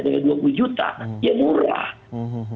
dari rp dua puluh ya murah